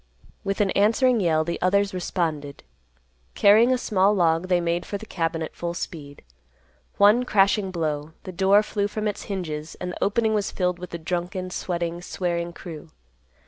With an answering yell, the others responded. Carrying a small log they made for the cabin at full speed. One crashing blow—the door flew from its hinges, and the opening was filled with the drunken, sweating, swearing crew.